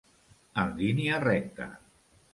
En línia recta.